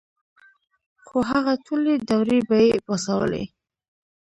خو هغه ټولې دوړې به ئې پاڅولې ـ